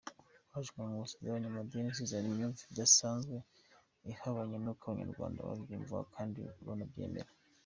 Haje inkonkobotsi z’abanyamadini zizana imyumvire idasanzwe, ihabanye n’uko Abanyarwanda babyumvaga kandi banabyemeraga.